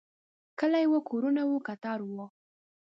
کلی و، کورونه و، کتار و